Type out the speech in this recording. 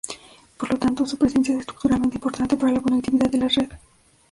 Por lo tanto, su presencia es estructuralmente importante para la conectividad de la red.